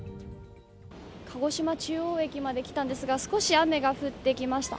鹿児島中央駅まで来たんですが少し雨が降ってきました。